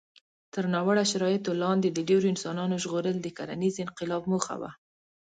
تر ناوړه شرایطو لاندې د ډېرو انسان ژغورل د کرنيز انقلاب موخه وه.